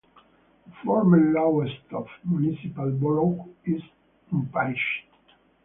The former Lowestoft Municipal Borough is unparished.